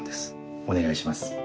お願いします